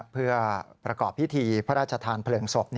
เพื่อประกอบพิธีพระราชทานเพลิงศพ